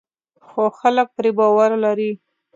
خو خلک پرې باور لري.